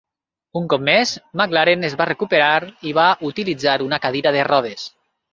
Un cop més, MacLaren es va recuperar i va utilitzar una cadira de rodes.